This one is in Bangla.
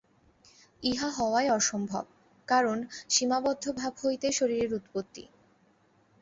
ইহা হওয়াই অসম্ভব, কারণ সীমাবদ্ধ ভাব হইতেই শরীরের উৎপত্তি।